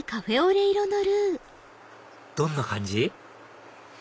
どんな感じ？